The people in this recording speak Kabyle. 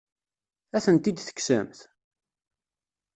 Ad tent-id-tekksemt?